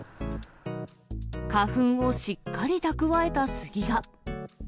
花粉をしっかり蓄えたスギが。